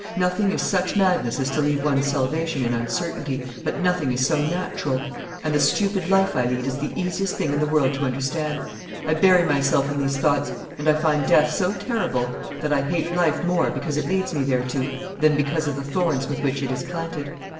Nothing is such madness as to leave one's salvation in uncertainty, but nothing is so natural; and the stupid life I lead is the easiest thing in the world to understand. I bury myself in these thoughts, and I find death so terrible, that I hate life more because it leads me thereto than because of the thorns with which it is planted.